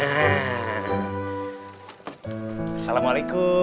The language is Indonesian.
tunggu ini tempat tidur kamu